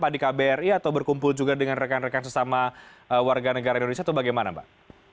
di kbri atau berkumpul juga dengan rekan rekan sesama warga negara indonesia atau bagaimana mbak